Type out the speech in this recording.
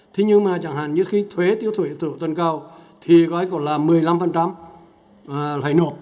thế nhưng mà chẳng hạn như thuế tiêu thủy tổ tân cao thì gọi là một mươi năm lại nộp